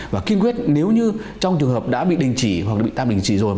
và kiên quyết nếu như trong trường hợp đã bị đình chỉ hoặc là bị tạm đình chỉ rồi